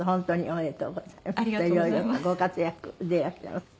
色々とご活躍でいらっしゃいます。